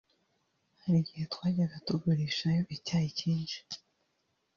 hari igihe twajyaga tugurishayo icyayi cyinshi